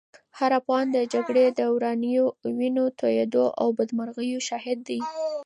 هر افغان د جګړې د ورانیو، وینو تویېدو او بدمرغیو شاهد دی.